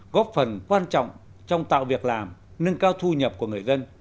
góp phần quan trọng trong tạo việc làm nâng cao thu nhập của người dân